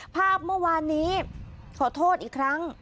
ภาพเมื่อวานนี้ขอโทษอีกครั้ง